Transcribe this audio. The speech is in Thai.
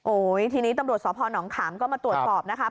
โอ้ยทีนี้ตำรวจสอบพหนองขามก็มาตรวจสอบนะครับ